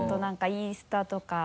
インスタか。